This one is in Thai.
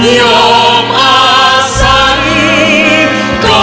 ไม่เร่รวนภาวะผวังคิดกังคัน